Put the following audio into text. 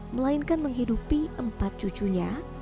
melainkan menghidupi empat cucunya